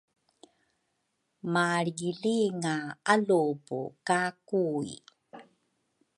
malrigilinga alupu ka Kui.